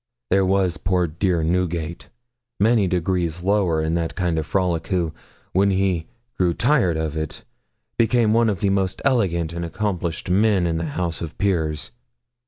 There was poor dear Newgate, many degrees lower in that kind of frolic, who, when he grew tired of it, became one of the most elegant and accomplished men in the House of Peers.